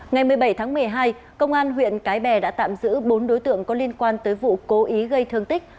ngày một mươi bảy tháng một mươi hai công an huyện cái bè đã tạm giữ bốn đối tượng có liên quan tới vụ cố ý gây thương tích